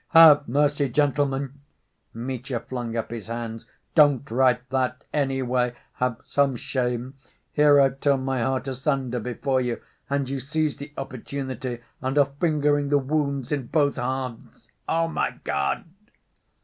"Have mercy, gentlemen!" Mitya flung up his hands. "Don't write that, anyway; have some shame. Here I've torn my heart asunder before you, and you seize the opportunity and are fingering the wounds in both halves.... Oh, my God!"